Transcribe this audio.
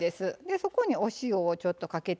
そこにお塩をちょっとかけて。